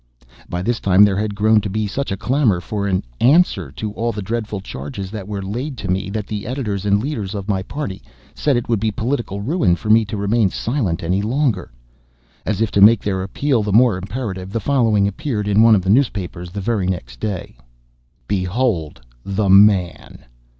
] By this time there had grown to be such a clamor for an "answer" to all the dreadful charges that were laid to me that the editors and leaders of my party said it would be political ruin for me to remain silent any longer. As if to make their appeal the more imperative, the following appeared in one of the papers the very next day: BEHOLD THE MAN!